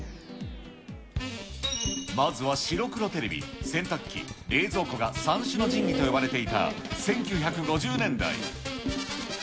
まずは白黒テレビ、洗濯機、冷蔵庫が三種の神器と呼ばれていた１９５０年代。